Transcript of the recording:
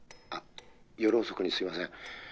「あ夜遅くにすみません。